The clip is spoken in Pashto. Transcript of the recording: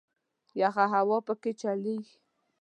یخه هوا په کې چلیږي.